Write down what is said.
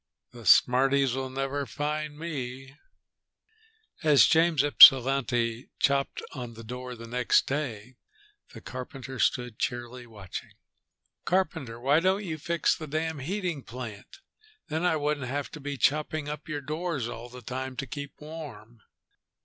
"The smarties'll never find me." As James Ypsilanti chopped on the door next day, the carpenter stood cheerily watching. "Carpenter, why don't you fix the damn heating plant? Then I wouldn't have to be chopping up your doors all the time to keep warm."